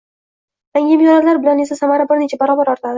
Yangi imkoniyatlar bilan esa samara bir necha barobar ortadi